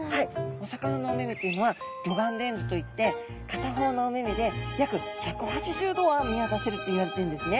お魚のお目々というのは魚眼レンズといって片方のお目々で約１８０度は見渡せるっていわれているんですね。